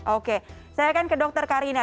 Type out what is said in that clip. oke saya akan ke dr karina